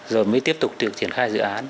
rồi mới tiếp tục triển khai dự án